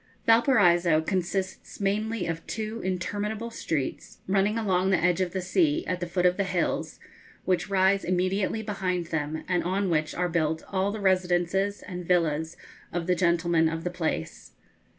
Valparaiso consists mainly of two interminable streets, running along the edge of the sea, at the foot of the hills, which rise immediately behind them, and on which are built all the residences and villas of the gentlemen of the place.